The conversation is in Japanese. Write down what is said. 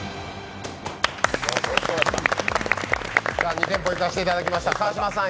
２店舗行かせていただきました、川島さん